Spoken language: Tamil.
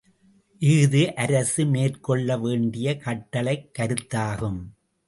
இஃது, அரசு மேற்கொள்ள வேண்டிய கட்டளைக் கருத்தாகும்.